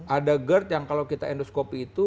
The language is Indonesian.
ada gerd yang kalau kita endoskopi itu